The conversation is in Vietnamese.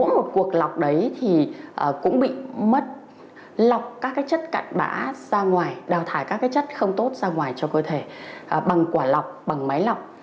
một cuộc lọc đấy thì cũng bị mất lọc các chất cặn bã ra ngoài đào thải các chất không tốt ra ngoài cho cơ thể bằng quả lọc bằng máy lọc